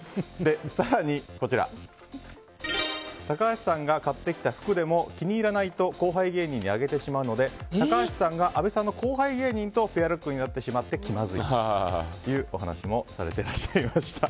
更に、高橋さんが買ってきた服でも気に入らないと後輩芸人にあげてしまうので高橋さんがあべさんの後輩芸人とペアルックになってしまって気まずいというお話もされていらっしゃいました。